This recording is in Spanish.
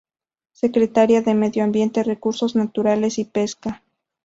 Secretaría de Medio Ambiente, Recursos Naturales y Pesca.